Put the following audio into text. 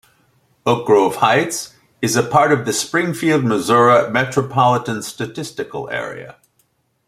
Oak Grove Heights is part of the Springfield, Missouri Metropolitan Statistical Area.